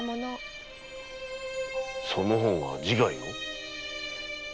その方が自害を？